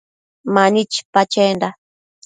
Mani chipa chenda